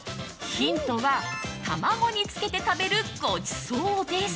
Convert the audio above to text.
ヒントは卵につけて食べるごちそうです。